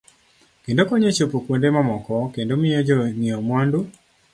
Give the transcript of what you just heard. Kendo konyo e chopo kuonde mamoko kendo miyo jo ng'iewo mwandu.